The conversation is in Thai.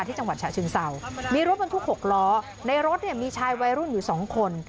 ที่จังหวัดชะชึนเศร้ามีรถเป็นทุกหกล้อในรถเนี้ยมีชายวัยรุ่นอยู่สองคน